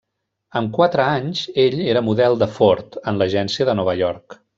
Amb quatre anys ell era model de Ford, en l'agència de Nova York.